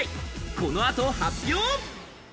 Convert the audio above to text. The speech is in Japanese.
このあと発表。